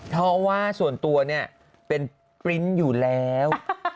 เพราะว่าส่วนตัวเนี่ยเป็นปริ้นต์อยู่แล้ว